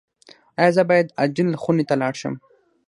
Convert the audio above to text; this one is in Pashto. ایا زه باید عاجل خونې ته لاړ شم؟